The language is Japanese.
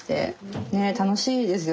楽しいですよ。